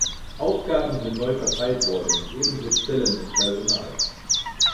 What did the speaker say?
Aufgaben sind neu verteilt worden, ebenso Stellen und Personal.